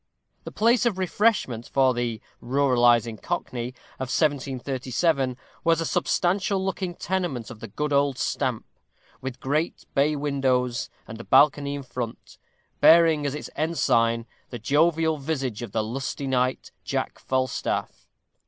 The place of refreshment for the ruralizing cockney of 1737 was a substantial looking tenement of the good old stamp, with great bay windows, and a balcony in front, bearing as its ensign the jovial visage of the lusty knight, Jack Falstaff.